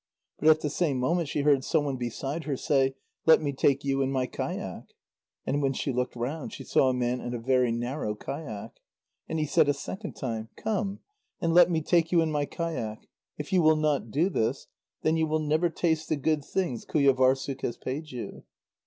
But at the same moment she heard someone beside her say: "Let me take you in my kayak." And when she looked round, she saw a man in a very narrow kayak. And he said a second time: "Come and let me take you in my kayak. If you will not do this, then you will never taste the good things Qujâvârssuk has paid you."